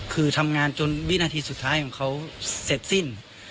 คือทำงานจนวินาทีสุดท้ายของเขาเสร็จสิ้น